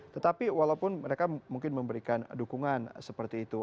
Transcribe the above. tetapi walaupun mereka mungkin memberikan dukungan seperti itu